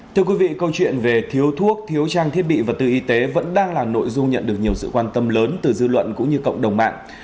thưa quý vị câu chuyện về thiếu thuốc thiếu trang thiết bị vật tư y tế vẫn đang là nội dung nhận được nhiều sự quan tâm lớn từ dư luận cũng như cộng đồng mạng